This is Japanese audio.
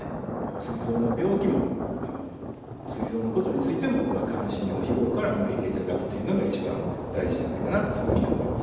すい臓の病気もすい臓のことについても関心を日頃から向けて頂くというのが一番大事じゃないかなというふうに思います。